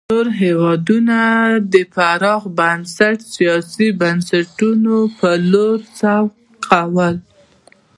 نور هېوادونه د پراخ بنسټه سیاسي بنسټونو په لور سوق کول.